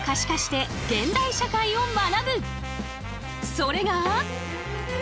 それが。